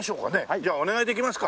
じゃあお願いできますか？